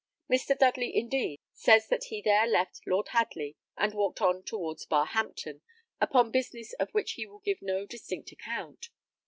Mr. Dudley, indeed, says that he there left Lord Hadley, and walked on towards Barhampton, upon business of which he will give no distinct account.